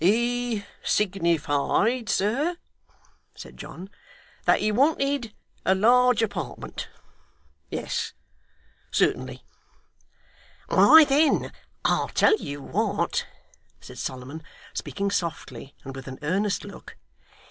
'He signified, sir,' said John, 'that he wanted a large apartment. Yes. Certainly.' 'Why then, I'll tell you what,' said Solomon, speaking softly and with an earnest look.